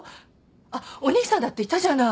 あっお兄さんだっていたじゃない。